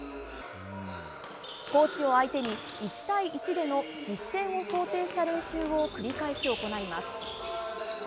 コーチを相手に１対１での実戦を想定した練習を繰り返し行います。